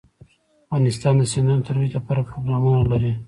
افغانستان د سیندونه د ترویج لپاره پروګرامونه لري.